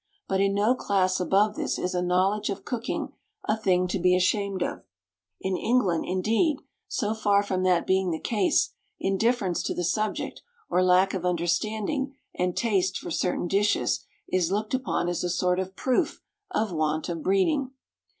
But in no class above this is a knowledge of cooking a thing to be ashamed of; in England, indeed, so far from that being the case, indifference to the subject, or lack of understanding and taste for certain dishes is looked upon as a sort of proof of want of breeding.